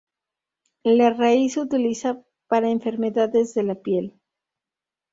La raíz se utiliza para enfermedades de la piel.